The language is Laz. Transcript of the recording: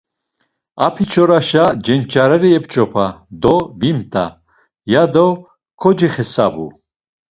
Apiçoraşa cenç̌areri ep̌ç̌opa do vimt̆a, yado kocixesabu.